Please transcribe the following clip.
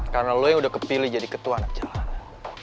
karena lo yang udah kepilih jadi ketua anak jalanan